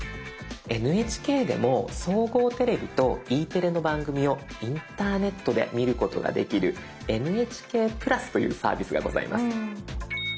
ＮＨＫでも総合テレビとＥテレの番組をインターネットで見ることができる「ＮＨＫプラス」というサービスがございます。